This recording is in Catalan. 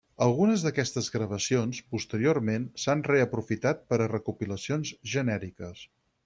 Algunes d'aquestes gravacions, posteriorment, s'han reaprofitat per a recopilacions genèriques.